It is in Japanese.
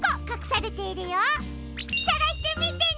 さがしてみてね！